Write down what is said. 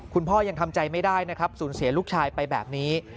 คุณพ่อยังทำใจไม่ได้นะครับสูญเสียลูกชายไปแบบนี้